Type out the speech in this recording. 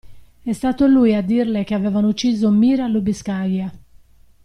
È stato lui a dirle che avevano ucciso Mira Lubiskaja.